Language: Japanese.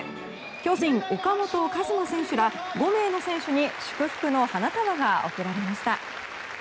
巨人、岡本和真選手ら５名の選手に祝福の花束が贈られました。